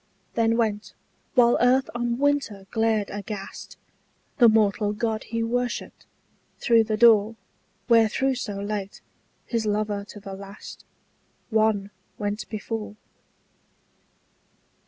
Then went, while earth on winter glared aghast, The mortal god he worshipped, through the door Wherethrough so late, his lover to the last, One went before.